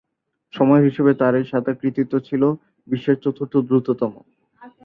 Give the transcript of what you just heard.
সময়ের হিসেবে তার এই সাঁতার কৃতিত্ব ছিল বিশ্বের চতুর্থ দ্রুততম।